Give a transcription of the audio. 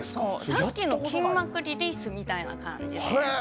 さっきの筋膜リリースみたいな感じです。